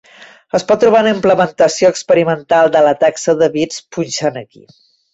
Es pot trobar una implementació experimental de la taxa de bits punxant aquí.